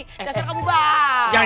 dasar kamu bang